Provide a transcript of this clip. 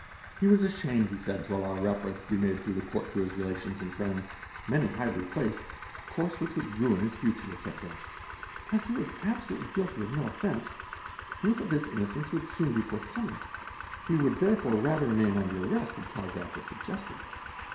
He was ashamed he said to allow reference to be made through the Court to his relations and friends, many highly placed, a course which would ruin his future, etc. As he was absolutely guilty of no offence, proof of his innocence would soon be forthcoming ; he would therefore rather remain under arrest than gi as a gested.